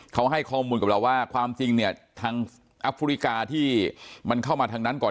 เขาให้ข้อมูลกับเราว่าความจริงเนี่ยทางแอฟริกาที่มันเข้ามาทางนั้นก่อน